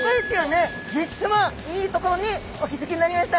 実はいいところにお気付きになりました。